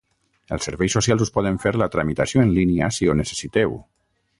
Els serveis socials us poden fer la tramitació en línia si ho necessiteu.